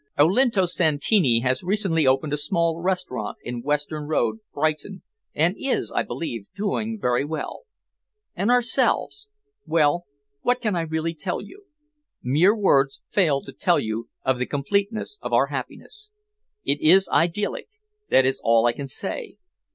Olinto Santini has recently opened a small restaurant in Western Road, Brighton, and is, I believe, doing very well. And ourselves! Well, what can I really tell you? Mere words fail to tell you of the completeness of our happiness. It is idyllic that is all I can say.